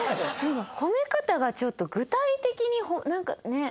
褒め方がちょっと具体的になんかねえ？